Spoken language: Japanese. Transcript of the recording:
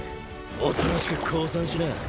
おとなしく降参しな。